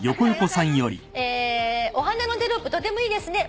「お花のテロップとてもいいですね」